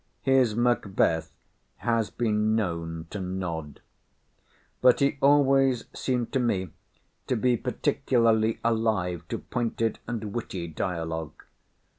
His Macbeth has been known to nod. But he always seemed to me to be particularly alive to pointed and witty dialogue.